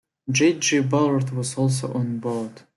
J. G. Ballard was also on board.